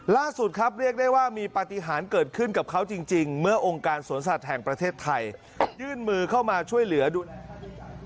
ล่าสุดครับเรียกได้ว่ามีปฏิหารเกิดขึ้นกับเขาจริงเมื่อองค์การสวนสัตว์แห่งประเทศไทยยื่นมือเข้ามาช่วยเหลือดู